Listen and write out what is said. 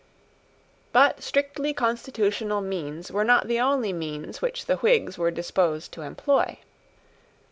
But strictly constitutional means were not the only means which the Whigs were disposed to employ.